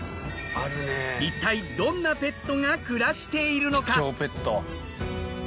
いったいどんなペットが暮らしているのか？